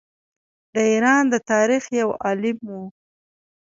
د ایران د تاریخ یو عالم وو.